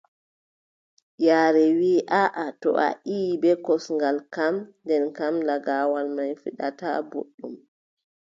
Yaare wii aaʼa, to a ƴiʼi bee kosngal kam, nden kam lagaawal man fiɗataa booɗɗum.